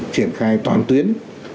triển khai toàn tuyến